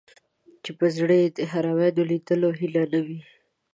چې په زړه کې یې د حرمینو لیدلو هیله نه وي.